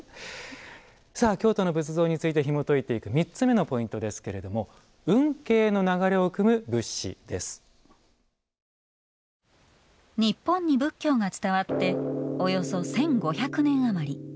さあ、京都の仏像についてひもといていく３つ目のポイントですけれども日本に仏教が伝わっておよそ１５００年余り。